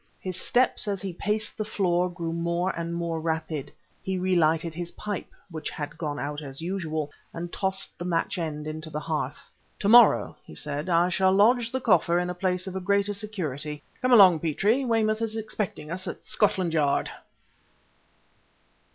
His steps as he paced the floor grew more and more rapid. He relighted his pipe, which had gone out as usual, and tossed the match end into the hearth. "To morrow," he said, "I shall lodge the coffer in a place of greater security. Come along, Petrie, Weymouth is expecting us at Scotland Yard."